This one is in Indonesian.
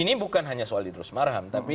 ini bukan hanya soal idrus marham tapi